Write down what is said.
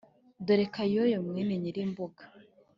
dore kayoyo mwene nyirimbuga.